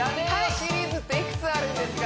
シリーズっていくつあるんですか？